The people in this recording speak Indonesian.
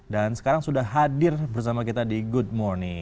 dan sekarang sudah hadir bersama kita di good morning